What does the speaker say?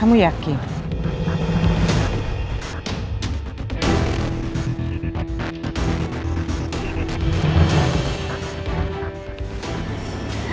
ibu batalin aku